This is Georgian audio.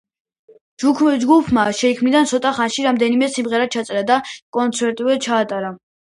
ჯგუფმა შექმნიდან ცოტა ხანში რამდენიმე სიმღერა ჩაწერა და კონცერტიც ჩაატარა.